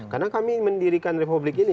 karena kami mendirikan republik ini